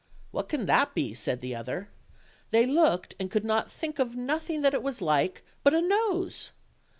"What can that be?" said the other. They looked, and could think of nothing that it was like but a nose.